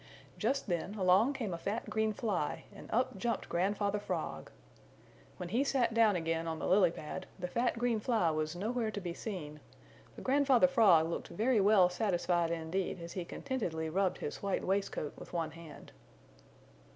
Just then along came a fat green fly and up jumped Grandfather Frog. When he sat down again on the lily pad the fat green fly was nowhere to be seen, but Grandfather Frog looked very well satisfied indeed as he contentedly rubbed his white waistcoat with one hand.